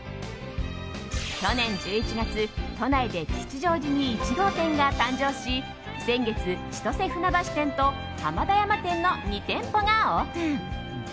去年１１月都内で吉祥寺に１号店が誕生し先月、千歳船橋店と浜田山店の２店舗がオープン。